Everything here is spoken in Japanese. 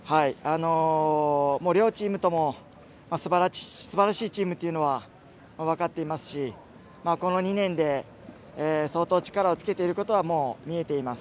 両チームともすばらしいチームというのは分かっていますしこの２年で、相当力をつけていることはもう見えています。